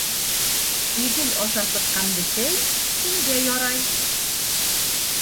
Иҙел аша сыҡҡан бесәй имгә ярай.